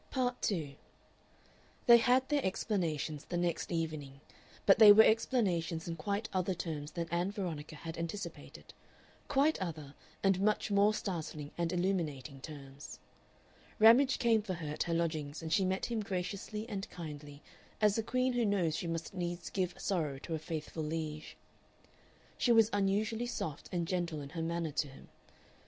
Part 2 They had their explanations the next evening, but they were explanations in quite other terms than Ann Veronica had anticipated, quite other and much more startling and illuminating terms. Ramage came for her at her lodgings, and she met him graciously and kindly as a queen who knows she must needs give sorrow to a faithful liege. She was unusually soft and gentle in her manner to him.